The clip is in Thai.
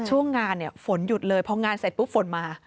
ช่วงงานเนี่ยฝนหยุดเลยพองานเสร็จปุ๊บฝนมา